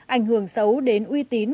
ảnh hưởng xấu đến uy tín